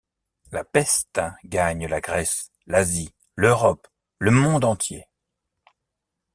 La peste gagne la Grèce, l'Asie, l'Europe, le monde entier.